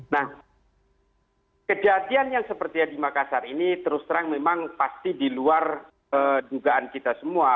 nah kejadian yang seperti yang di makassar ini terus terang memang pasti di luar dugaan kita semua